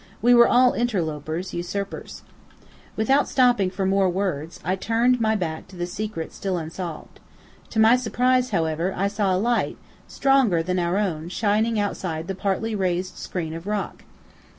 We were all interlopers, usurpers. Without stopping for more words, I turned my back to the secret still unsolved. To my surprise, however, I saw a light stronger than our own shining outside the partly raised screen of rock.